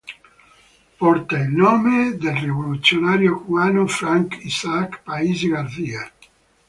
Porta il nome del rivoluzionario cubano Frank Isaac País García.